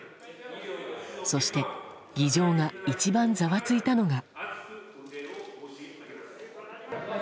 そして、議場が一番ざわついたのが。